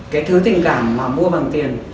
cái thứ tình cảm mà mua bằng tiền